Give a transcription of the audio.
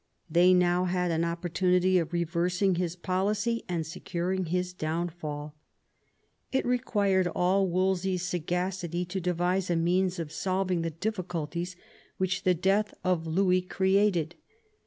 They now had an opportunity of reversing his policy and securing his downfall It required all Wolsey's sagacity to devise a means of solving the difficulties which the death of Louis created.